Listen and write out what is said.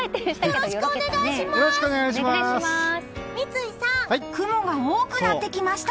よろしくお願いします！